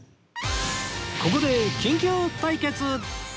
ここで緊急対決